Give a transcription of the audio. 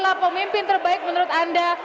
adalah pemimpin terbaik menurut anda